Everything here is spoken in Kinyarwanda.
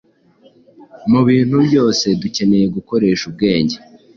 Mu bintu byose dukeneye gukoresha ubwenge.